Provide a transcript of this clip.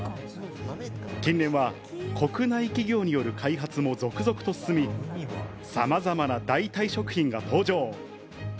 近年は国内企業による開発も続々と進み、さまざまな代替食品が登場。